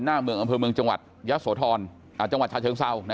หน้าเมืองอำเภอเมืองจังหวัดยะโสธรจังหวัดชาเชิงเศร้า